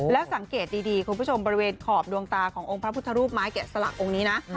แล้วสังเกตดีคุณผู้ชมบริเวณขอบดวงตาขององค์พระพุทธรูปไม้แกะสลักองค์นี้นะ